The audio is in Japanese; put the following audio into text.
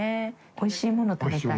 おいしいもの食べたい。